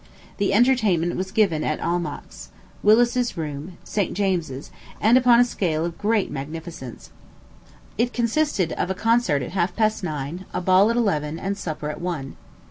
The entertainment was given at Almack's, Willis's Room, St. James's, and upon a scale of great magnificence. It consisted of a concert at half past nine, a ball at eleven, and supper at one.